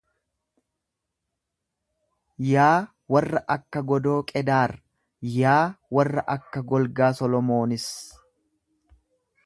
yaa warra akka godoo Qedaar yaa warra akka golgaa Solomoonis!